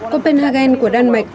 copenhagen của đan mạch